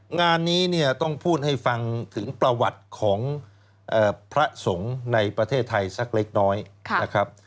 งานนี้เนี่ยต้องพูดให้ฟังถึงประวัติของพระสงฆ์ในประเทศไทยสักเล็กน้อยนะครับ